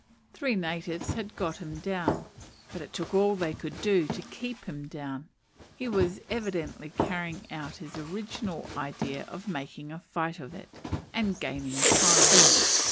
Three natives had got him down; but it took all they could do to keep him down: he was evidently carrying out his original idea of making a fight of it, and gaining time.